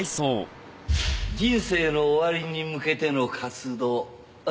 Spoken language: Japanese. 人生の終わりに向けての活動。